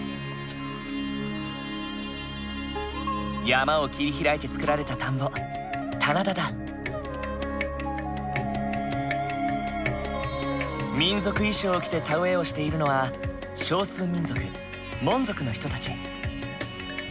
山を切り開いて作られた田んぼ民族衣装を着て田植えをしているのは少数民族モン族の人たち。